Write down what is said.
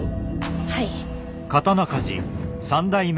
はい。